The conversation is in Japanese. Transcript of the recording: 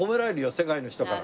世界の人から！？